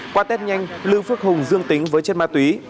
qua test nhanh lưu phước hùng dương tính với chất ma túy